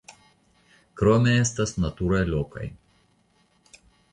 Krome estas naturaj lokoj.